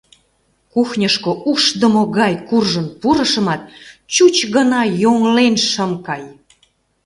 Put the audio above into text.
Кухньышко ушдымо гай куржын пурышымат, чуч гына йоҥлен шым кай...